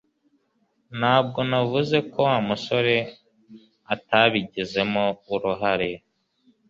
Ntabwo navuze ko Wa musore atabigizemo uruhare